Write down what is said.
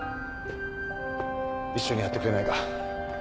一緒にやってくれないか？